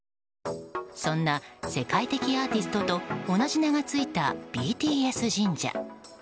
そんな世界的アーティストと同じ名がついたＢＴＳ神社。